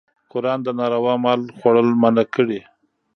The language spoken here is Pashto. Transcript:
قرآن د ناروا مال خوړل منع کړي.